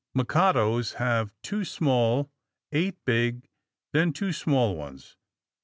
Mikados have two small, eight big, then two small ones.